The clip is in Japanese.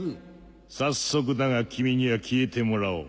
早速だが君には消えてもらおう。